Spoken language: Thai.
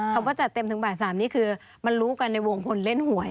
คำว่าจัดเต็มถึงบ่าย๓นี่คือมันรู้กันในวงคนเล่นหวย